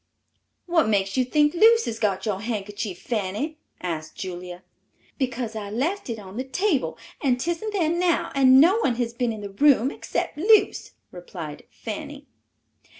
"What makes you think Luce has got your handkerchief, Fanny?" asked Julia. "Because I left it on the table, and 'tisn't there now; and no one has been in the room except Luce," replied Fanny.